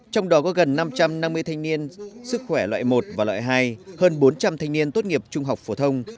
trong đó có gần năm trăm năm mươi thanh niên sức khỏe loại một và loại hai hơn bốn trăm linh thanh niên tốt nghiệp trung học phổ thông